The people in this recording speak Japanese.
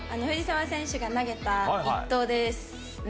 藤澤選手が投げた１投です。